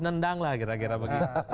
nendang lah kira kira begitu